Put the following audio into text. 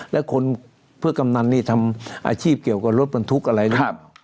แล้วคนเพื่อกำนันนี่ทำอาชีพเกี่ยวกับรถบรรทุกอะไรหรือเปล่า